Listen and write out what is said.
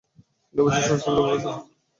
তিনি উভচর ও সরীসৃপের উপর আগ্রহী ছিলেন।